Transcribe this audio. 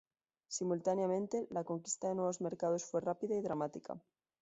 Simultáneamente, la conquista de nuevos mercados fue rápida y dramática.